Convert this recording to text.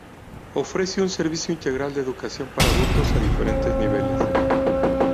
Ofrece un servicio integral de educación para adultos a diferentes niveles.